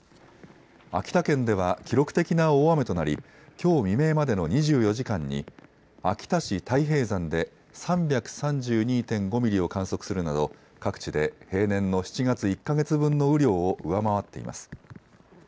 秋田県では記録的な大雨となりきょう未明までの２４時間に秋田市太平山で３３２．５ミリを観測するなど各地で平年の７月１か月分の雨量を上回っています。